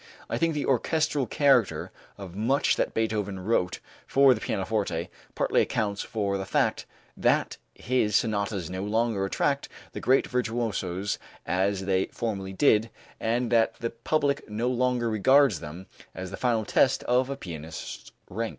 I think the orchestral character of much that Beethoven wrote for the pianoforte partly accounts for the fact that his sonatas no longer attract the great virtuosos as they formerly did and that the public no longer regards them as the final test of a pianist's rank.